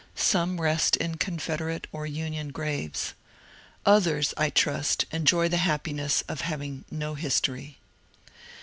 Some rest in Confederate or Union graves. Others I trust enjoy the happiness of hav ing no history.